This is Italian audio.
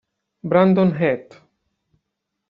Brandon Heath